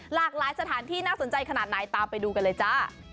หลากหลายสถานที่น่าสนใจขนาดไหนตามไปดูกันเลยจ้า